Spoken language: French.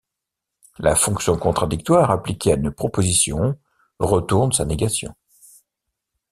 La fonction contradictoire appliquée à une proposition retourne sa négation.